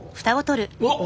うわっ！